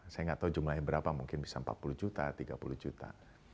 saya nggak tahu jumlahnya berapa mungkin bisa empat puluh juta tiga puluh juta